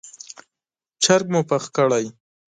چرګ مو پوخ کړی،